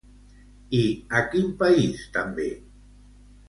I a quin país també?